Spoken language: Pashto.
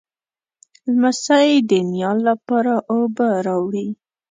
لمسی د نیا لپاره اوبه راوړي.